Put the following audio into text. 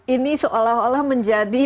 ini seolah olah menjadi